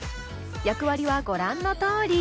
役割はご覧のとおり。